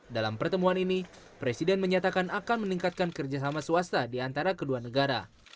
dalam pertemuan ini presiden menyatakan akan meningkatkan kerjasama swasta di antara kedua negara